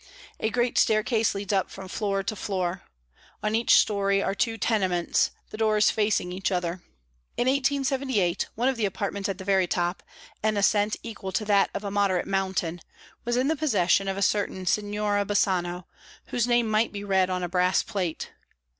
A great staircase leads up from floor to floor. On each story are two tenements, the doors facing each other. In 1878, one of the apartments at the very top an ascent equal to that of a moderate mountain was in the possession of a certain Signora Bassano, whose name might be read on a brass plate.